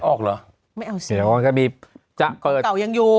แล้วออกเหรอไม่เอาเสียที่เขาก็มีก็อย่างนิยโป่